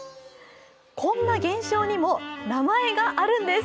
こんな現象にも名前があるんです。